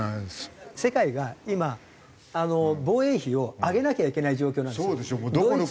世界が今防衛費を上げなきゃいけない状況なんですよ。